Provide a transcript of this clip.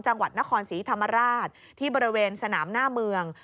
จังหวัดนครศรีธรรมราชที่บริเวณสนามหน้าเมือง